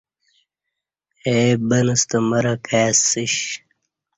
اے بن ستہ مرہ کائسیش